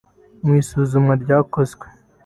Mu isuzuma ryakozwe